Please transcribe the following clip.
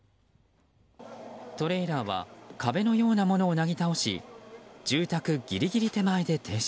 トレーラーは壁のようなものをなぎ倒し住宅ギリギリ手前で停止。